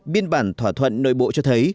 biên bản thỏa thuận nội bộ cho thấy